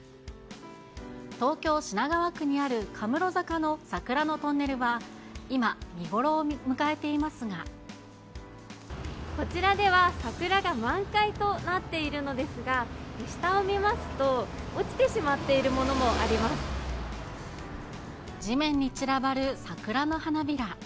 東京・品川区にあるかむろ坂の桜のトンネルは、今、見頃を迎えてこちらでは桜が満開となっているのですが、下を見ますと、落ちてしまっているものもありま地面に散らばる桜の花びら。